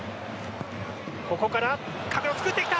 ここから壁を作ってきた。